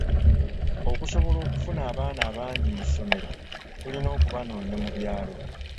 "Okusobola okufuna abaana abangi mu ssomero, tulina okubanoonya mu byalo."